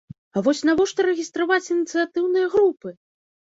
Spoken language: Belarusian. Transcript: А вось навошта рэгістраваць ініцыятыўныя групы!?